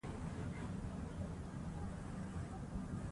زه د خپلو هیلو له پاره صبر کوم.